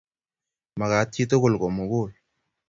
Magat chi togul ko mugul